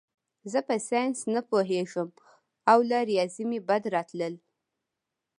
زه په ساینس نه پوهېږم او له ریاضي مې بد راتلل